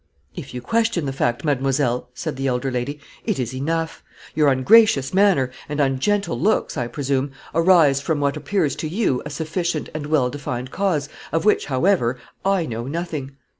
"If you question the fact, mademoiselle," said the elder lady, "it is enough. Your ungracious manner and ungentle looks, I presume, arise from what appears to you a sufficient and well defined cause, of which, however, I know nothing."